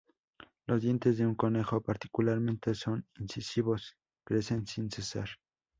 Los dientes de un conejo, particularmente sus incisivos, crecen sin cesar.